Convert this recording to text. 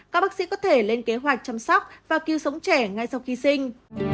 các bác sĩ có thể lên kế hoạch chăm sóc và cứu sống trẻ ngay sau khi sinh